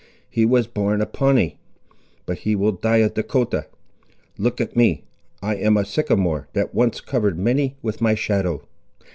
He was born a Pawnee, but he will die a Dahcotah. Look at me. I am a sycamore, that once covered many with my shadow.